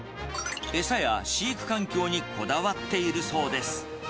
餌や飼育環境にこだわっているそうです。